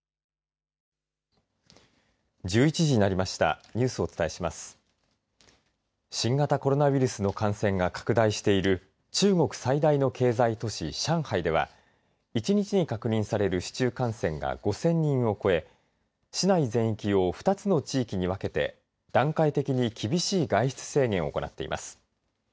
新型コロナウイルスの感染が拡大している中国最大の経済都市、上海では１日に確認される市中感染が５０００人を超え市内全域を２つの地域に分けて段階的に厳しい外出制限を行っています。